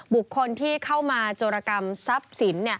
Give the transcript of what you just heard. บุคคลที่เข้ามาโจรกรรมทรัพย์สิน